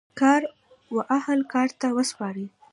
کار و اهل کار ته وسپارئ